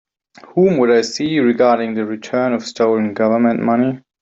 Whom would I see regarding the return of stolen Government money?